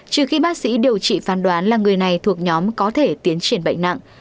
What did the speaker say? trừ khi bác sĩ điều trị phán đoán là người này thuộc nhóm có thể tiến triển bệnh nặng